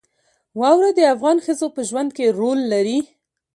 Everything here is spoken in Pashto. واوره د افغان ښځو په ژوند کې رول لري.